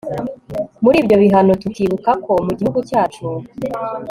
muri ibyo bihano tukibuka ko mu gihugu cyacu